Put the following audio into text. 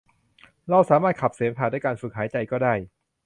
เราสามารถขับเสมหะด้วยการฝึกหายใจก็ได้